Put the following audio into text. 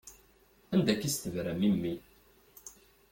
Anda akka i s-tebram i mmi?